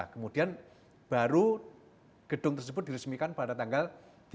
kemudian baru gedung tersebut diresmikan pada tanggal tiga belas agustus seribu sembilan ratus tujuh puluh lima